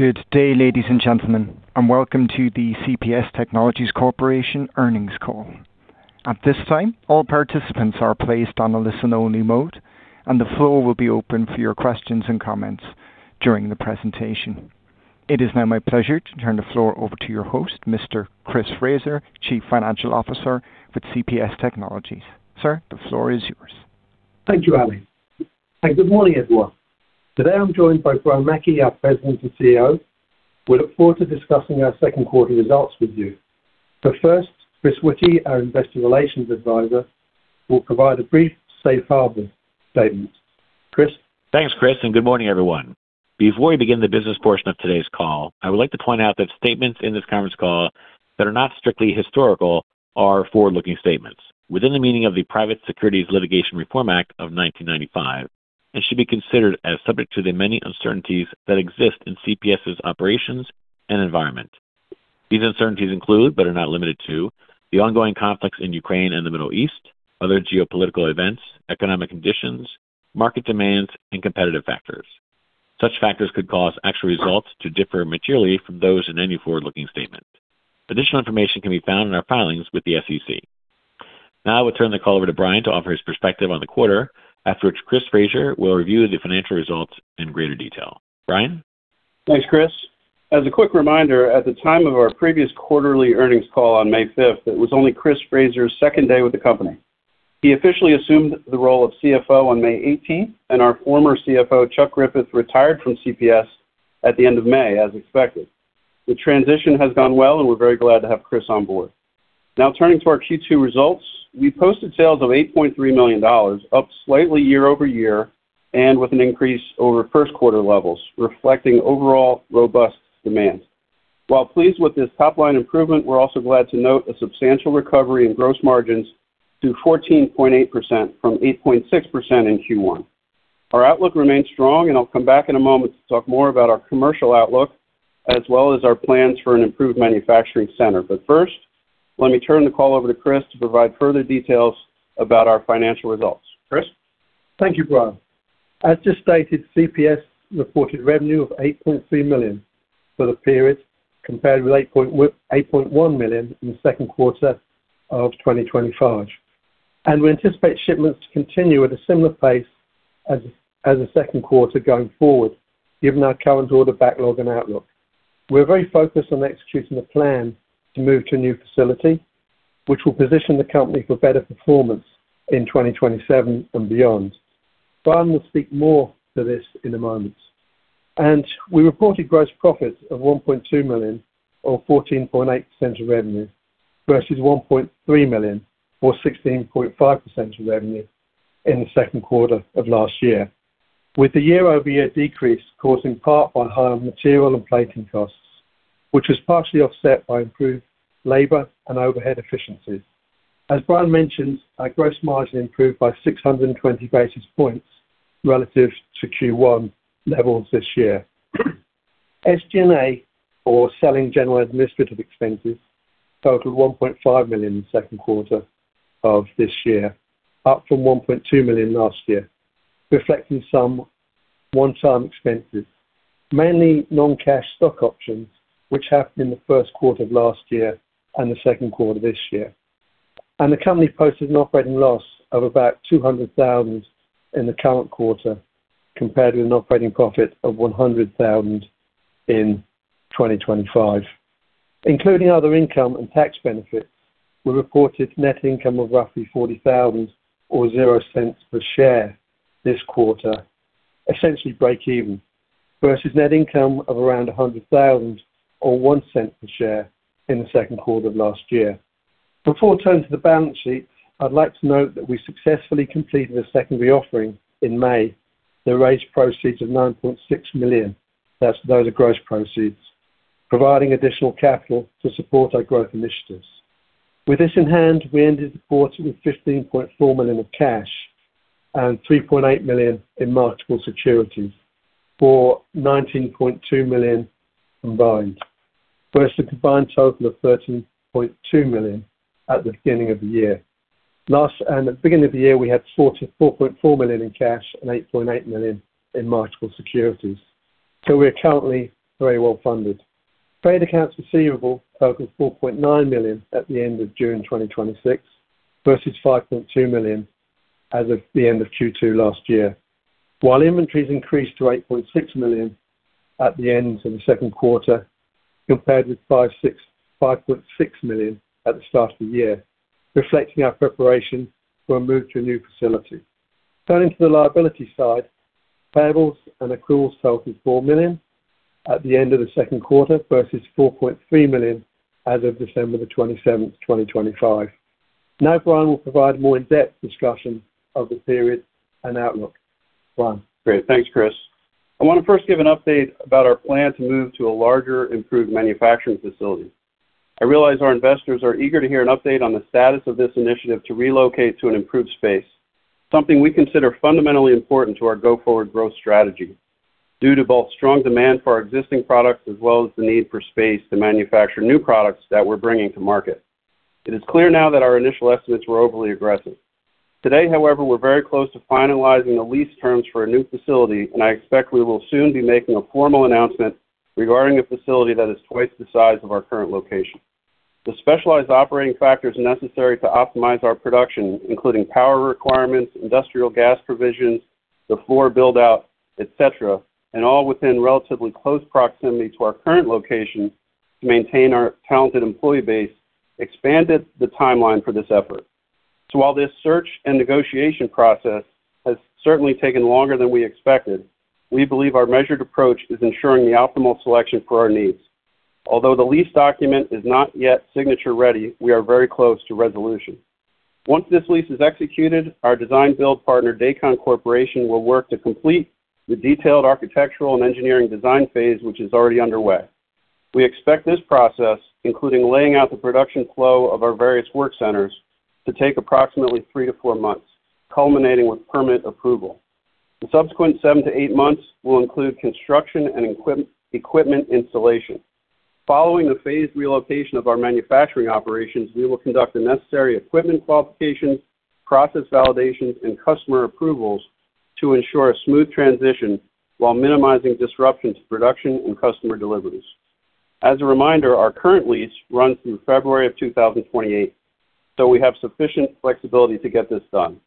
Good day, ladies and gentlemen. Welcome to the CPS Technologies Corporation earnings call. At this time, all participants are placed on a listen-only mode, and the floor will be open for your questions and comments during the presentation. It is now my pleasure to turn the floor over to your host, Mr. Chris Fraser, Chief Financial Officer with CPS Technologies. Sir, the floor is yours. Thank you, Ali, and good morning, everyone. Today, I'm joined by Brian Mackey, our President and CEO. We look forward to discussing our second quarter results with you. First, Chris Witty, our Investor Relations Advisor, will provide a brief safe harbor statement. Chris? Thanks, Chris, and good morning, everyone. Before we begin the business portion of today's call, I would like to point out that statements in this conference call that are not strictly historical are forward-looking statements within the meaning of the Private Securities Litigation Reform Act of 1995, and should be considered as subject to the many uncertainties that exist in CPS's operations and environment. These uncertainties include, but are not limited to, the ongoing conflicts in Ukraine and the Middle East, other geopolitical events, economic conditions, market demands, and competitive factors. Such factors could cause actual results to differ materially from those in any forward-looking statement. Additional information can be found in our filings with the SEC. I will turn the call over to Brian to offer his perspective on the quarter, after which Chris Fraser will review the financial results in greater detail. Brian? Thanks, Chris. As a quick reminder, at the time of our previous quarterly earnings call on May 5th, it was only Chris Fraser's second day with the company. He officially assumed the role of CFO on May 18th, and our former CFO, Chuck Griffith, retired from CPS at the end of May, as expected. The transition has gone well, and we're very glad to have Chris on board. Turning to our Q2 results. We posted sales of $8.3 million, up slightly year-over-year and with an increase over first quarter levels, reflecting overall robust demand. While pleased with this top-line improvement, we're also glad to note a substantial recovery in gross margins to 14.8% from 8.6% in Q1. Our outlook remains strong, and I'll come back in a moment to talk more about our commercial outlook as well as our plans for an improved manufacturing center. first, let me turn the call over to Chris to provide further details about our financial results. Chris? Thank you, Brian. As just stated, CPS reported revenue of $8.3 million for the period, compared with $8.1 million in the second quarter of 2025. We anticipate shipments to continue at a similar pace as the second quarter going forward, given our current order backlog and outlook. We're very focused on executing a plan to move to a new facility, which will position the company for better performance in 2027 and beyond. Brian will speak more to this in a moment. We reported gross profits of $1.2 million or 14.8% of revenue versus $1.3 million or 16.5% of revenue in the second quarter of last year, with the year-over-year decrease caused in part by higher material and plating costs, which was partially offset by improved labor and overhead efficiencies. As Brian mentioned, our gross margin improved by 620 basis points relative to Q1 levels this year. SG&A, or selling, general, and administrative expenses, totaled $1.5 million in the second quarter of this year, up from $1.2 million last year, reflecting some one-time expenses, mainly non-cash stock options, which happened in the first quarter of last year and the second quarter this year. The company posted an operating loss of about $200,000 in the current quarter, compared with an operating profit of $100,000 in 2025. Including other income and tax benefits, we reported net income of roughly $40,000 or $0.00 per share this quarter, essentially break even, versus net income of around $100,000 or $0.01 per share in the second quarter of last year. Before I turn to the balance sheet, I'd like to note that we successfully completed a secondary offering in May that raised proceeds of $9.6 million. Those are gross proceeds, providing additional capital to support our growth initiatives. With this in hand, we ended the quarter with $15.4 million of cash and $3.8 million in marketable securities, for $19.2 million combined versus a combined total of $13.2 million at the beginning of the year. At the beginning of the year, we had $4.4 million in cash and $8.8 million in marketable securities. We are currently very well funded. Trade accounts receivable totaled $4.9 million at the end of June 2026 versus $5.2 million as of the end of Q2 last year. While inventories increased to $8.6 million at the end of the second quarter compared with $5.6 million at the start of the year, reflecting our preparation for a move to a new facility. Turning to the liability side, payables and accruals totaled $4 million at the end of the second quarter versus $4.3 million as of December the 27th, 2025. Brian will provide a more in-depth discussion of the period and outlook. Brian? Great. Thanks, Chris. I want to first give an update about our plan to move to a larger improved manufacturing facility. I realize our investors are eager to hear an update on the status of this initiative to relocate to an improved space, something we consider fundamentally important to our go-forward growth strategy due to both strong demand for our existing products as well as the need for space to manufacture new products that we're bringing to market. It is clear now that our initial estimates were overly aggressive. Today, however, we're very close to finalizing the lease terms for a new facility, and I expect we will soon be making a formal announcement regarding a facility that is twice the size of our current location. The specialized operating factors necessary to optimize our production, including power requirements, industrial gas provisions, the floor build-out, et cetera, and all within relatively close proximity to our current location to maintain our talented employee base, expanded the timeline for this effort. While this search and negotiation process has certainly taken longer than we expected, we believe our measured approach is ensuring the optimal selection for our needs. Although the lease document is not yet signature ready, we are very close to resolution. Once this lease is executed, our design build partner, Dacon Corporation, will work to complete the detailed architectural and engineering design phase, which is already underway. We expect this process, including laying out the production flow of our various work centers, to take approximately three to four months, culminating with permanent approval. The subsequent seven to eight months will include construction and equipment installation. Following the phased relocation of our manufacturing operations, we will conduct the necessary equipment qualifications, process validations, and customer approvals to ensure a smooth transition while minimizing disruption to production and customer deliveries. As a reminder, our current lease runs through February of 2028. We have sufficient flexibility to get this done.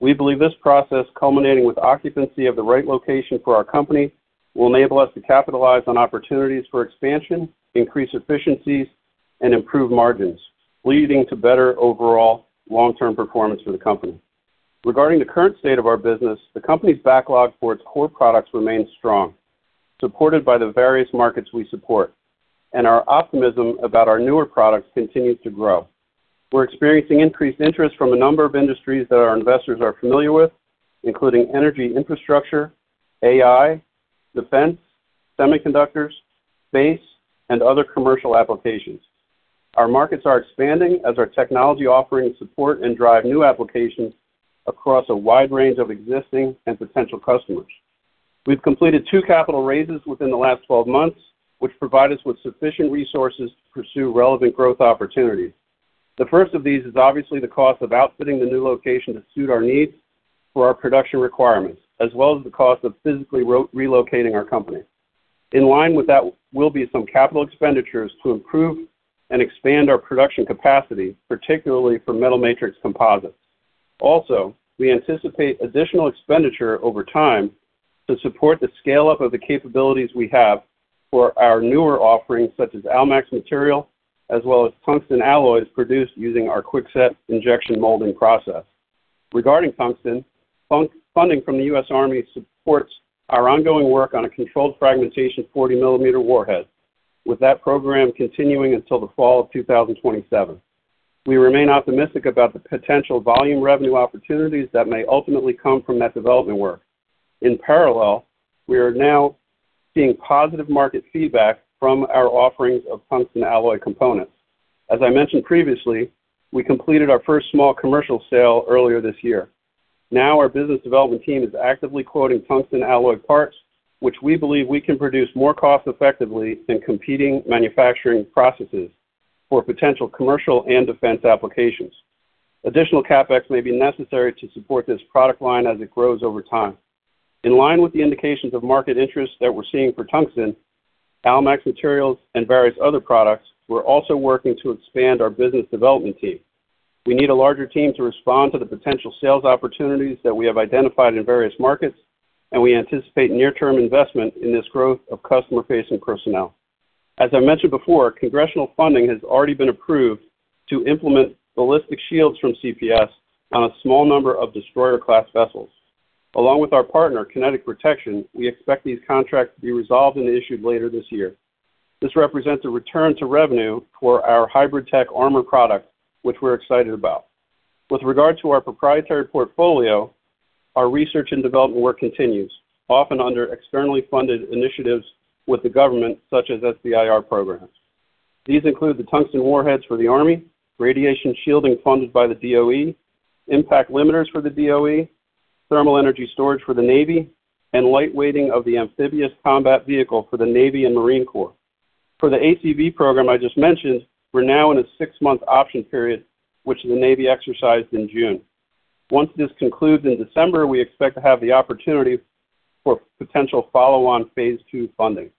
We believe this process, culminating with occupancy of the right location for our company, will enable us to capitalize on opportunities for expansion, increase efficiencies, and improve margins, leading to better overall long-term performance for the company. Regarding the current state of our business, the company's backlog for its core products remains strong, supported by the various markets we support, and our optimism about our newer products continues to grow. We're experiencing increased interest from a number of industries that our investors are familiar with, including energy infrastructure, AI, defense, semiconductors, base, and other commercial applications. Our markets are expanding as our technology offerings support and drive new applications across a wide range of existing and potential customers. We've completed two capital raises within the last 12 months, which provide us with sufficient resources to pursue relevant growth opportunities. The first of these is obviously the cost of outfitting the new location to suit our needs for our production requirements, as well as the cost of physically relocating our company. In line with that will be some capital expenditures to improve and expand our production capacity, particularly for metal matrix composites. Also, we anticipate additional expenditure over time to support the scale-up of the capabilities we have for our newer offerings, such as AlMax material, as well as tungsten alloys produced using our QuickSet injection molding process. Regarding tungsten, funding from the U.S. Army supports our ongoing work on a controlled fragmentation 40-millimeter warhead, with that program continuing until the fall of 2027. We remain optimistic about the potential volume revenue opportunities that may ultimately come from that development work. In parallel, we are now seeing positive market feedback from our offerings of tungsten alloy components. As I mentioned previously, we completed our first small commercial sale earlier this year. Now our business development team is actively quoting tungsten alloy parts, which we believe we can produce more cost-effectively than competing manufacturing processes for potential commercial and defense applications. Additional CapEx may be necessary to support this product line as it grows over time. In line with the indications of market interest that we're seeing for tungsten, AlMax materials, and various other products, we're also working to expand our business development team. We need a larger team to respond to the potential sales opportunities that we have identified in various markets. We anticipate near-term investment in this growth of customer-facing personnel. As I mentioned before, congressional funding has already been approved to implement ballistic shields from CPS on a small number of destroyer-class vessels. Along with our partner, Kinetic Protection, we expect these contracts to be resolved and issued later this year. This represents a return to revenue for our HybridTech Armor product, which we're excited about. With regard to our proprietary portfolio, our research and development work continues, often under externally funded initiatives with the government, such as SBIR programs. These include the tungsten warheads for the U.S. Army, radiation shielding funded by the DOE, impact limiters for the DOE, thermal energy storage for the U.S. Navy, and lightweighting of the Amphibious Combat Vehicle for the U.S. Navy and Marine Corps. For the ACV program I just mentioned, we're now in a six-month option period, which the U.S. Navy exercised in June. Once this concludes in December, we expect to have the opportunity for potential follow-on phase II funding.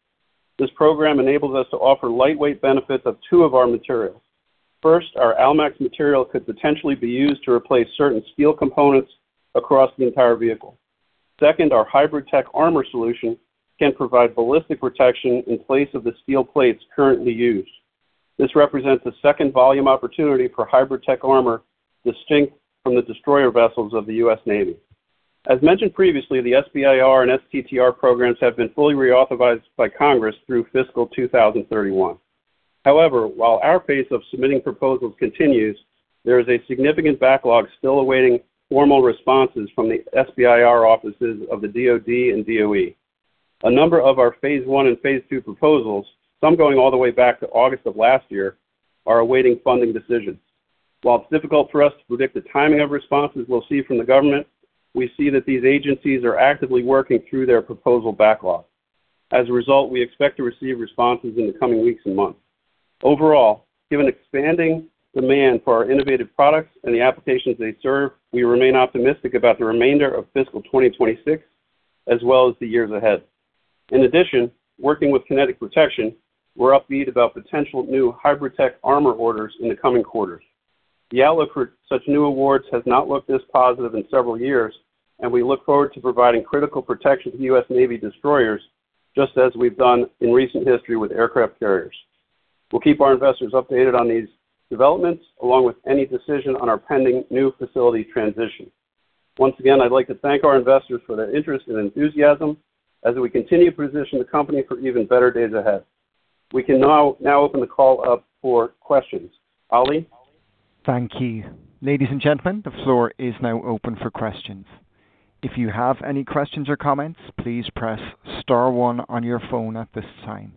This program enables us to offer lightweight benefits of two of our materials. First, our AlMax material could potentially be used to replace certain steel components across the entire vehicle. Second, our HybridTech Armor solution can provide ballistic protection in place of the steel plates currently used. This represents the second volume opportunity for HybridTech Armor, distinct from the destroyer vessels of the U.S. Navy. As mentioned previously, the SBIR and STTR programs have been fully reauthorized by Congress through fiscal 2031. While our phase of submitting proposals continues, there is a significant backlog still awaiting formal responses from the SBIR offices of the DoD and DoE. A number of our phase I and phase II proposals, some going all the way back to August of last year, are awaiting funding decisions. While it's difficult for us to predict the timing of responses we'll see from the government, we see that these agencies are actively working through their proposal backlog. As a result, we expect to receive responses in the coming weeks and months. Overall, given expanding demand for our innovative products and the applications they serve, we remain optimistic about the remainder of fiscal 2026, as well as the years ahead. In addition, working with Kinetic Protection, we're upbeat about potential new HybridTech Armor orders in the coming quarters. The outlook for such new awards has not looked this positive in several years, and we look forward to providing critical protection to U.S. Navy destroyers, just as we've done in recent history with aircraft carriers. We'll keep our investors updated on these developments, along with any decision on our pending new facility transition. Once again, I'd like to thank our investors for their interest and enthusiasm as we continue to position the company for even better days ahead. We can now open the call up for questions. Ali? Thank you. Ladies and gentlemen, the floor is now open for questions. If you have any questions or comments, please press star one on your phone at this time.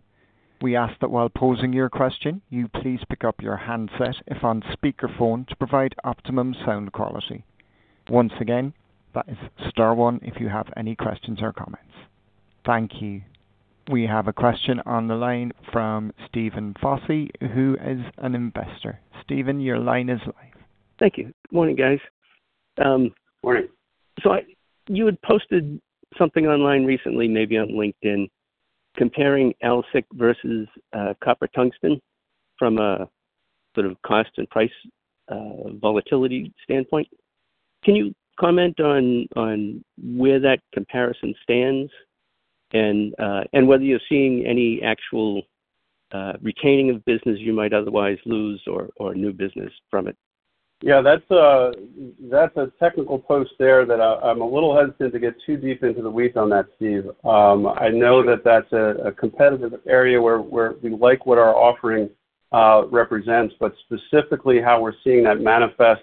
We ask that while posing your question, you please pick up your handset if on speakerphone to provide optimum sound quality. Once again, that is star one if you have any questions or comments. Thank you. We have a question on the line from Steven Fosse, who is an investor. Steven, your line is live. Thank you. Morning, guys. Morning. You had posted something online recently, maybe on LinkedIn, comparing AlSiC versus copper tungsten from a sort of cost and price volatility standpoint. Can you comment on where that comparison stands and whether you're seeing any actual retaining of business you might otherwise lose or new business from it? That's a technical post there that I'm a little hesitant to get too deep into the weeds on that, Steve. I know that that's a competitive area where we like what our offering represents, but specifically how we're seeing that manifest,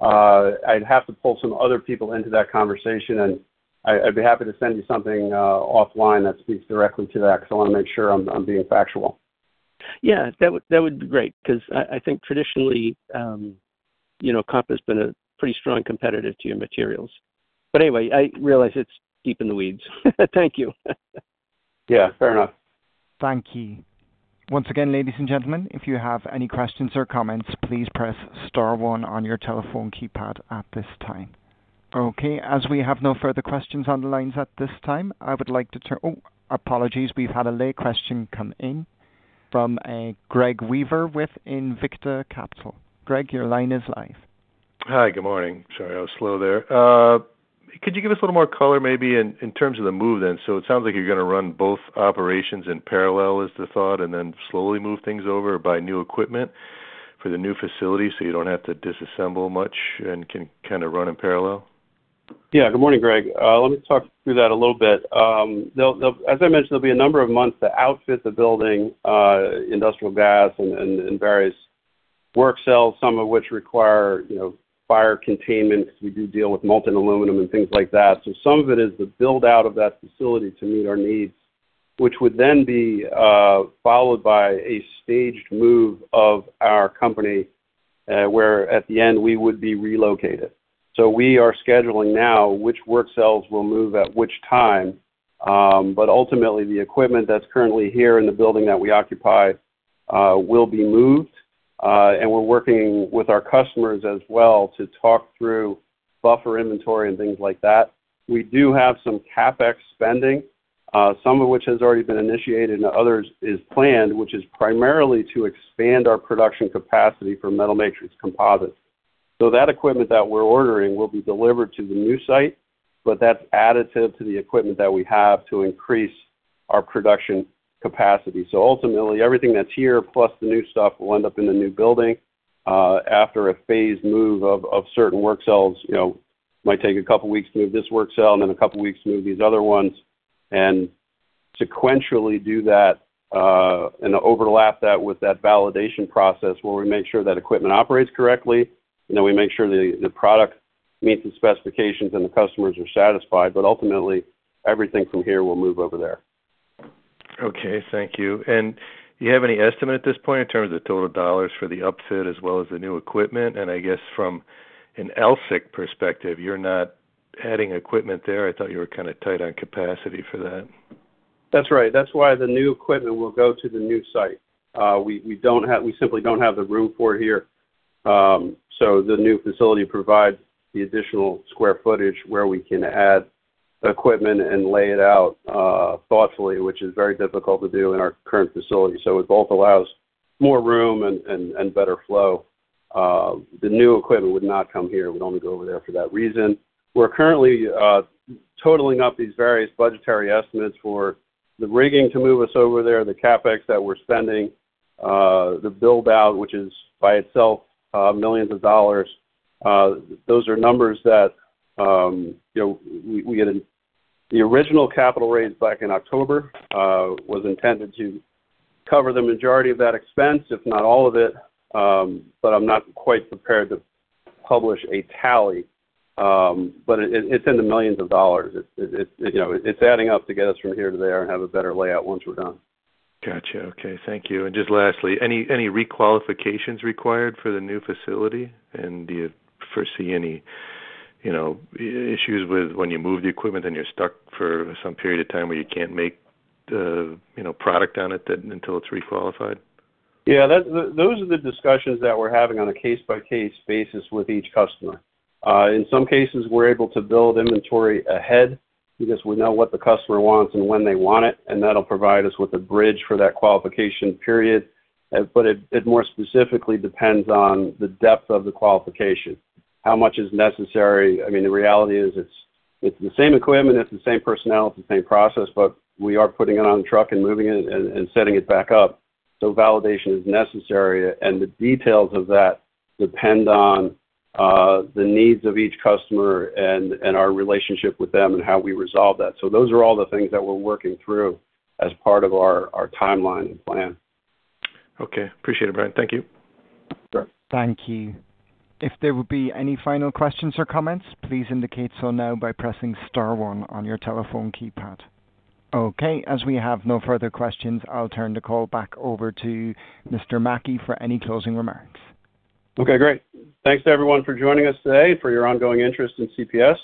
I'd have to pull some other people into that conversation, and I'd be happy to send you something offline that speaks directly to that because I want to make sure I'm being factual. That would be great, because I think traditionally copper's been a pretty strong competitive to your materials. Anyway, I realize it's deep in the weeds. Thank you. Fair enough. Thank you. Once again, ladies and gentlemen, if you have any questions or comments, please press star one on your telephone keypad at this time. Okay. As we have no further questions on the lines at this time, I would like to turn-- Oh, apologies, we've had a late question come in from a Greg Weaver with Invicta Capital. Greg, your line is live. Hi. Good morning. Sorry I was slow there. Could you give us a little more color maybe in terms of the move? It sounds like you're going to run both operations in parallel, is the thought, and slowly move things over or buy new equipment for the new facility so you don't have to disassemble much and can kind of run in parallel? Yeah. Good morning, Greg. Let me talk through that a little bit. As I mentioned, there'll be a number of months to outfit the building, industrial gas and various work cells, some of which require fire containment, because we do deal with molten aluminum and things like that. Some of it is the build-out of that facility to meet our needs, which would then be followed by a staged move of our company, where at the end, we would be relocated. We are scheduling now which work cells will move at which time. Ultimately, the equipment that's currently here in the building that we occupy will be moved. We're working with our customers as well to talk through buffer inventory and things like that. We do have some CapEx spending, some of which has already been initiated, and others is planned, which is primarily to expand our production capacity for metal matrix composites. That equipment that we're ordering will be delivered to the new site, but that's additive to the equipment that we have to increase our production capacity. Ultimately, everything that's here, plus the new stuff, will end up in the new building after a phased move of certain work cells. Might take a couple of weeks to move this work cell, and a couple of weeks to move these other ones, and sequentially do that and overlap that with that validation process where we make sure that equipment operates correctly, and we make sure the product meets the specifications and the customers are satisfied. Ultimately, everything from here will move over there. Okay. Thank you. Do you have any estimate at this point in terms of total dollars for the upfit as well as the new equipment? I guess from an AlSiC perspective, you're not adding equipment there. I thought you were kind of tight on capacity for that. That's right. That's why the new equipment will go to the new site. We simply don't have the room for it here. The new facility provides the additional square footage where we can add equipment and lay it out thoughtfully, which is very difficult to do in our current facility. It both allows more room and better flow. The new equipment would not come here. It would only go over there for that reason. We're currently totaling up these various budgetary estimates for the rigging to move us over there, the CapEx that we're spending, the build-out, which is by itself millions of dollars. Those are numbers that we get in the original capital raise back in October, was intended to cover the majority of that expense, if not all of it. I'm not quite prepared to publish a tally. It's in the millions of dollars. It's adding up to get us from here to there and have a better layout once we're done. Got you. Okay. Thank you. Just lastly, any re-qualifications required for the new facility? Do you foresee any issues with when you move the equipment and you're stuck for some period of time where you can't make the product on it until it's re-qualified? Those are the discussions that we're having on a case-by-case basis with each customer. In some cases, we're able to build inventory ahead because we know what the customer wants and when they want it, and that'll provide us with a bridge for that qualification period. It more specifically depends on the depth of the qualification. How much is necessary? I mean, the reality is it's the same equipment, it's the same personnel, it's the same process, but we are putting it on a truck and moving it and setting it back up. Validation is necessary, and the details of that depend on the needs of each customer and our relationship with them and how we resolve that. Those are all the things that we're working through as part of our timeline and plan. Appreciate it, Brian. Thank you. Sure. Thank you. If there would be any final questions or comments, please indicate so now by pressing star one on your telephone keypad. As we have no further questions, I'll turn the call back over to Mr. Mackey for any closing remarks. Great. Thanks to everyone for joining us today, for your ongoing interest in CPS.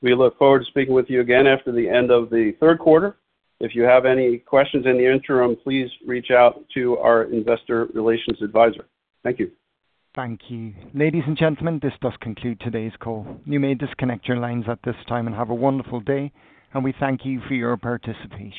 We look forward to speaking with you again after the end of the third quarter. If you have any questions in the interim, please reach out to our investor relations advisor. Thank you. Thank you. Ladies and gentlemen, this does conclude today's call. You may disconnect your lines at this time and have a wonderful day, and we thank you for your participation.